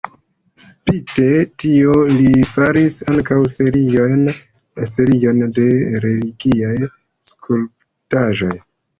Spite tion, li faris ankaŭ serion de religiaj skulptaĵoj.